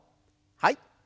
はい。